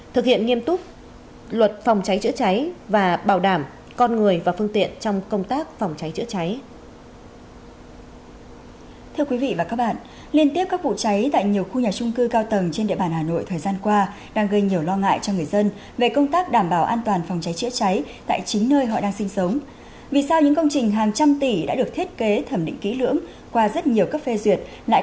thực hiện nghiêm túc luật phòng cháy chữa cháy và bảo đảm con người và phương tiện trong công tác phòng cháy chữa cháy